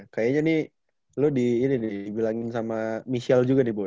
kayaknya nih lu dibilangin sama michelle juga nih bu ya